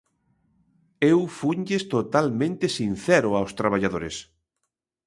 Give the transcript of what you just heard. Eu funlles totalmente sincero aos traballadores.